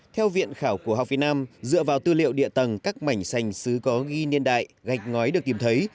theo viện khảo cổ học việt nam dựa vào tư liệu địa tầng các mảnh sành xứ có ghi niên đại ngói được tìm thấy